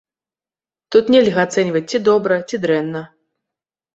Тут нельга ацэньваць ці добра, ці дрэнна.